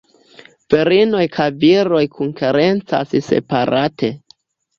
Virinoj kaj viroj konkurencas separate.